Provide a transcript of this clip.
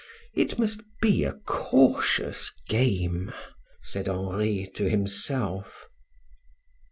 "It must be a cautious game," said Henri, to himself.